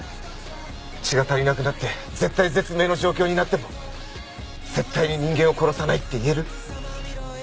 血が足りなくなって絶体絶命の状況になっても絶対に人間を殺さないって言える？